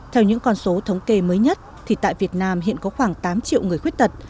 theo những con số thống kê mới nhất thì tại việt nam hiện có khoảng tám triệu người khuyết tật